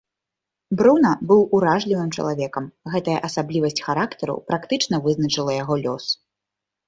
Бруна быў уражлівым чалавекам, гэтая асаблівасць характару практычна вызначыла яго лёс.